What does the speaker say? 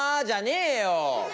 じゃねえよ！